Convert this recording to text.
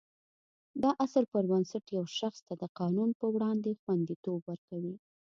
دا اصل پر بنسټ یو شخص ته د قانون په وړاندې خوندیتوب ورکوي.